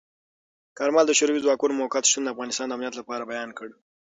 کارمل د شوروي ځواکونو موقت شتون د افغانستان د امنیت لپاره بیان کړ.